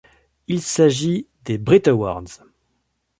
Il s'agit de la des Brit Awards.